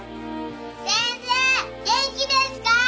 先生元気ですか？